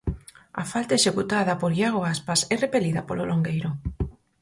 A falta executada por Iago Aspas e repelida polo longueiro.